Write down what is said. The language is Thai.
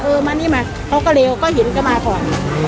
มานี่มาเขาก็เลวก็เห็นก็มาก่อน